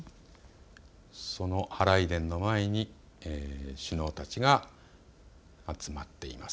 その祓殿の前に首脳たちが集まっています。